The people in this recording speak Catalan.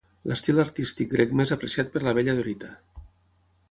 L'estil artístic grec més apreciat per la Bella Dorita.